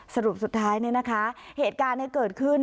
สรุปสุดท้ายเนี่ยนะคะเหตุการณ์เกิดขึ้น